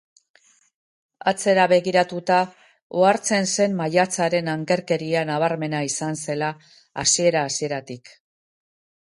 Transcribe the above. Atzera begiratuta, ohartzen zen maiatz haren ankerkeria nabarmena izan zela hasi-hasieratik.